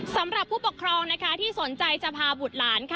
สำหรับผู้ปกครองนะคะที่สนใจจะพาบุตรหลานค่ะ